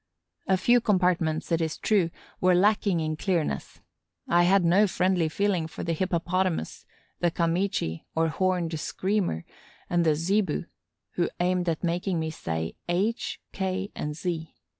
A few compartments, it is true, were lacking in clearness. I had no friendly feeling for the Hippopotamus, the Kamichi, or Horned Screamer, and the Zebu, who aimed at making me say H, K, and Z.